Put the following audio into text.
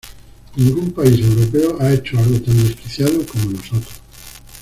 Ningún país europeo ha hecho algo tan desquiciado como nosotros.